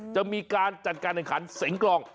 จะมีการจัดการแข่งขันเสียงกลอง